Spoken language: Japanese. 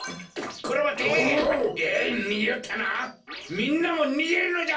みんなもにげるのじゃ。